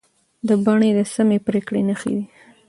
دا بڼې د سمې پرېکړې نښې دي.